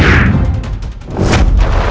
dia putraku abikara